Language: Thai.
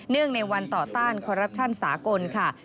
เนื่องในวันต่อต้านการทุจริตสากลค่ะ